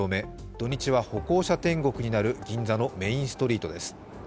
土日は歩行者天国になる銀座のメインストリートです。